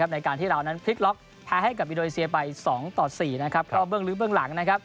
ในการที่เรานั้นพลิกล็อกแพ้ให้กับอินโดนีเซียไป๒๔เพราะว่าเบื้องลื้อเบื้องหลัง